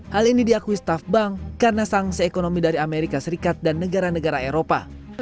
hal ini diakui staff bank karena sangsi ekonomi dari amerika serikat dan negara negara eropa